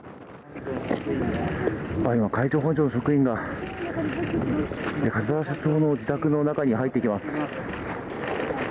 今、海上保安庁の職員が、桂田社長の自宅の中に入っていきます。